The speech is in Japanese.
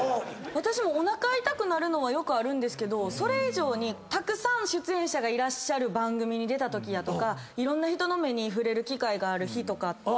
私もおなか痛くなるのはよくあるんですけどそれ以上にたくさん出演者がいらっしゃる番組に出たときやとかいろんな人の目に触れる機会がある日とかって。